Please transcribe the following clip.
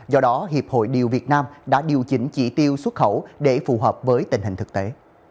do đó hiệp hội điều việt nam đã điều chỉnh chỉ tiêu xuất khẩu để phù hợp với tình hình thực tế